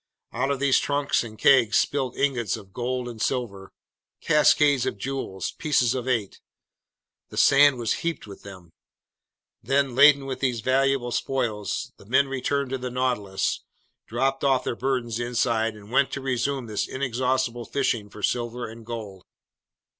Out of these trunks and kegs spilled ingots of gold and silver, cascades of jewels, pieces of eight. The sand was heaped with them. Then, laden with these valuable spoils, the men returned to the Nautilus, dropped off their burdens inside, and went to resume this inexhaustible fishing for silver and gold.